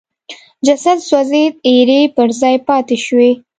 جسد سوځېد ایرې پر ځای پاتې شوې.